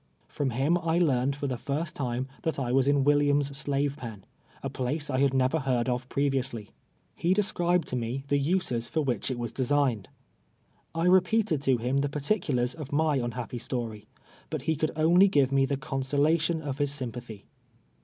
From him I learned for the first time that I was in AVilliam's Slave Pen, a place I had never heard of ]>reviously. lie descril)ed to nie the uses for which it was designed. I repeated to him the particulars of my unhappy story, but he could only give me the consolation of his sympathy.